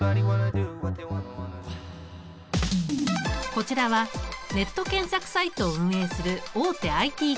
こちらはネット検索サイトを運営する大手ＩＴ企業。